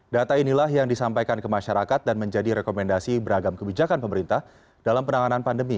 data inilah yang disampaikan ke masyarakat dan menjadi rekomendasi beragam kebijakan pemerintah dalam penanganan pandemi